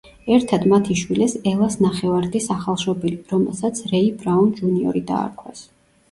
ერთად მათ იშვილეს ელას ნახევარ-დის ახალშობილი, რომელსაც რეი ბრაუნ ჯუნიორი დაარქვეს.